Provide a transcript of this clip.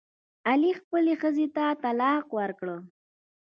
علي خپلې ښځې ته طلاق ورکړ.